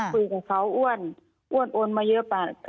คุยกับเขาคุยกับเขาอ้วน